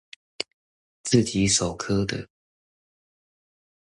自己手刻的